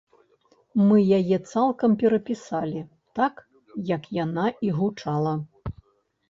Мы яе цалкам перапісалі, так, як яна і гучала.